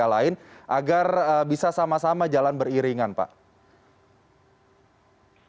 ya jadi kalau di indonesia maka bisa jauh kalau di indonesia maka bisa jauh